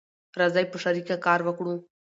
راځی په شریکه کار وکړو